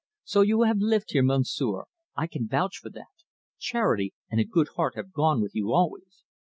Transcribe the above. "So you have lived here, Monsieur; I can vouch for that. Charity and a good heart have gone with you always."